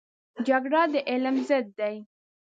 جګړه د علم ضد دی